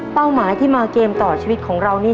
หมายที่มาเกมต่อชีวิตของเรานี่